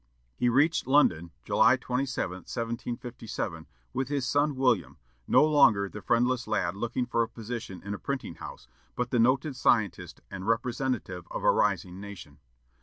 He reached London, July 27, 1757, with his son William, no longer the friendless lad looking for a position in a printing house, but the noted scientist, and representative of a rising nation.